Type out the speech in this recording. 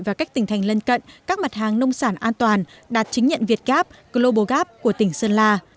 và các tỉnh thành lân cận các mặt hàng nông sản an toàn đạt chứng nhận việt gap global gap của tỉnh sơn la